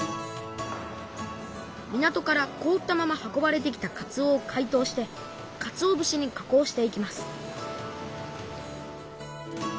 港からこおったまま運ばれてきたかつおをかいとうしてかつお節に加工していきます